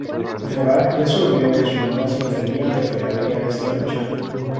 Dvořák resolvió que su nueva sinfonía reflejaría esta lucha.